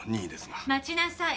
待ちなさい。